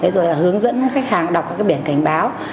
rồi hướng dẫn khách hàng đọc các biển cảnh báo